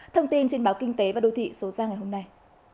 thông tin trên báo kinh tế và đô thị số ra ngày hôm nay